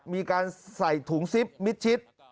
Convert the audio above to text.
มีการใส่ถุงซิปมิดชิด